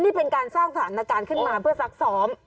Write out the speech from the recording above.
นี่เป็นการสร้างสถานการณ์ขึ้นมาเพื่อซักซ้อม